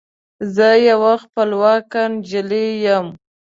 زه یوه خپلواکه نجلۍ یم